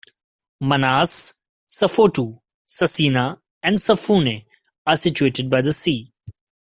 Manase, Safotu, Sasina and Safune are situated by the sea.